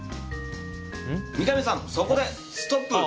三上さん、そこでストップ！